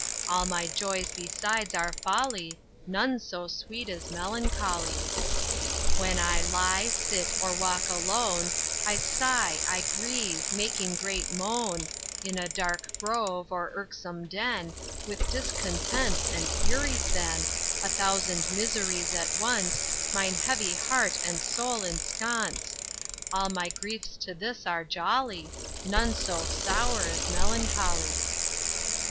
All my joys besides are folly, None so sweet as melancholy. When I lie, sit, or walk alone, I sigh, I grieve, making great moan, In a dark grove, or irksome den, With discontents and Furies then, A thousand miseries at once Mine heavy heart and soul ensconce, All my griefs to this are jolly, None so sour as melancholy.